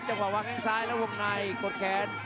จังหวะวางแข้งซ้ายแล้ววงในกดแขน